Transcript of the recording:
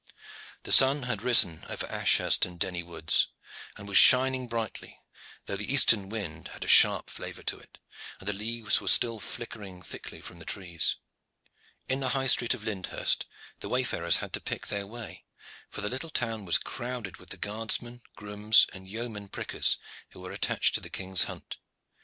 The sun had risen over Ashurst and Denny woods, and was shining brightly, though the eastern wind had a sharp flavor to it, and the leaves were flickering thickly from the trees. In the High Street of Lyndhurst the wayfarers had to pick their way, for the little town was crowded with the guardsmen, grooms, and yeomen prickers who were attached to the King's hunt.